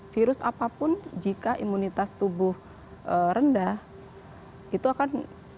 virus apapun jika imunitas tubuh rendah itu akan